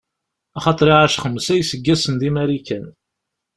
Axaṭer iɛac xemsa n iseggasen di Marikan.